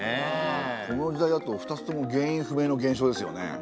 この時代だと２つとも原因不明の現象ですよね。